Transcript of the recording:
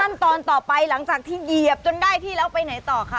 ขั้นตอนต่อไปหลังจากที่เหยียบจนได้ที่แล้วไปไหนต่อคะ